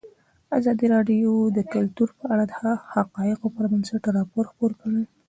ازادي راډیو د کلتور په اړه د حقایقو پر بنسټ راپور خپور کړی.